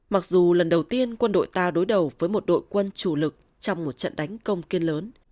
mặc dù lần đầu tiên quân đội ta đối đầu với một đội quân chủ lực trong một trận đánh công kiên lớn